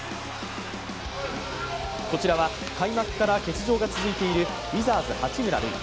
こちらは、開幕から欠場が続いているウィザーズ・八村塁。